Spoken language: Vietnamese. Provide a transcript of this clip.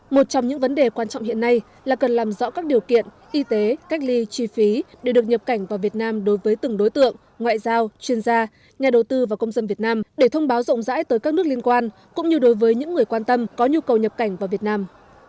một trong những vấn đề quan trọng hiện nay là cần làm rõ các điều kiện y tế cách ly chi phí để được nhập cảnh vào việt nam đối với từng đối tượng ngoại giao chuyên gia nhà đầu tư và công dân việt nam để thông báo rộng rãi tới các nước liên quan cũng như đối với những người quan tâm có nhu cầu nhập cảnh vào việt nam